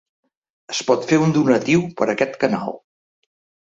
Es pot fer un donatiu per aquest canal.